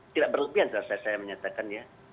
tidak berlebihan saya menyatakan